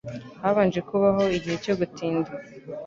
Habanje kubaho “igihe cyo gutinda”